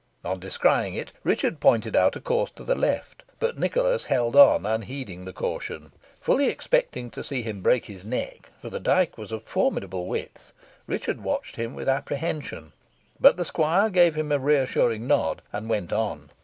On descrying it, Richard pointed out a course to the left, but Nicholas held on, unheeding the caution. Fully expecting to see him break his neck, for the dyke was of formidable width, Richard watched him with apprehension, but the squire gave him a re assuring nod, and went on.